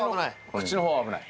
口の方は危ない。